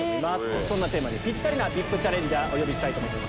そんなテーマにぴったりなＶＩＰチャレンジャーお呼びします。